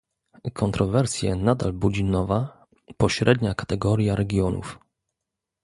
Kontrowersje nadal budzi nowa, pośrednia kategoria regionów